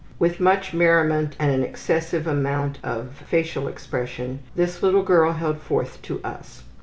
With much merriment and an excessive amount of facial expression this little girl held forth to us.